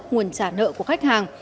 nguồn trả nợ của khách hàng